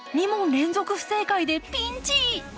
２問連続不正解でピンチ！